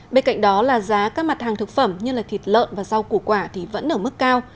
bên cạnh đó là giá các mặt hàng thực phẩm như thịt lợn và rau củ quả vẫn ở mức cao